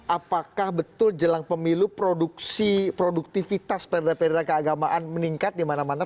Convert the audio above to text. apakah betul jelang pemilu produksi produktivitas perda perda keagamaan meningkat di mana mana